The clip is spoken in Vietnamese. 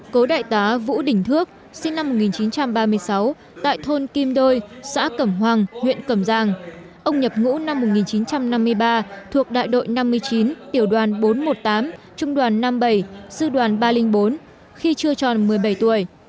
cố đại tá vũ đình thước sinh năm một nghìn chín trăm ba mươi sáu tại thôn kim đôi xã cẩm hoàng huyện cẩm giang ông nhập ngũ năm một nghìn chín trăm năm mươi ba thuộc đại đội năm mươi chín tiểu đoàn bốn trăm một mươi tám trung đoàn năm mươi bảy sư đoàn ba trăm linh bốn khi chưa tròn một mươi bảy tuổi